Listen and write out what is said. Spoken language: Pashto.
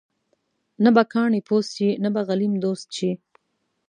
نه به کاڼې پوست شي ، نه به غلیم دوست شي.